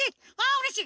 うれしい！